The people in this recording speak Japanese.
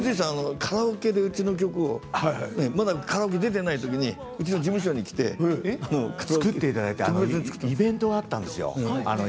カラオケでうちの曲をまたカラオケ出ていないときに事務所に来て映画のイベントがあったんです。